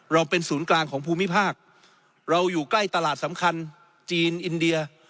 เราเป็นศูนย์กลางของภูมิภาคเราอยู่ใกล้ตลาดสำคัญจีนอินเดีย